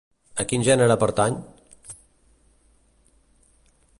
A quin gènere pertany?